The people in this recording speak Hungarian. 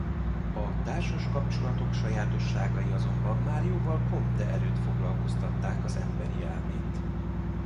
A társas kapcsolatok sajátosságai azonban már jóval Comte előtt foglalkoztatták az emberi elmét.